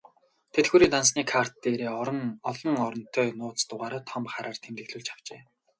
Тэтгэврийн дансны карт дээрээ олон оронтой нууц дугаараа том хараар тэмдэглүүлж авчээ.